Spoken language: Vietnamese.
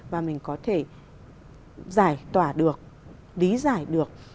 và mình có thể giải tỏa được lý giải được